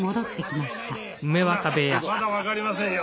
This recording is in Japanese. まだ分かりませんよ。